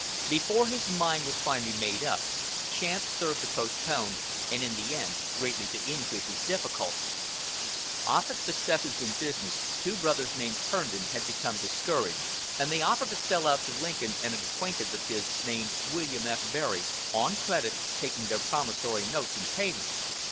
Before his mind was fully made up, chance served to postpone, and in the end greatly to increase his difficulty. Offut's successors in business, two brothers named Herndon, had become discouraged, and they offered to sell out to Lincoln and an acquaintance of his named William F. Berry, on credit, taking their promissory notes in payment.